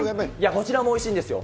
こちらもおいしいんですよ。